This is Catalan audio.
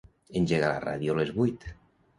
Engega la ràdio a les vuit.